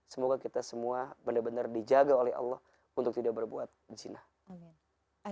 semoga kita semua benar benar dijaga oleh allah untuk tidak berbuat jinah